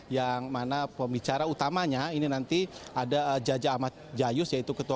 yang mana pembicara utamanya ini nanti ada jaja ahmad jayus yaitu ketua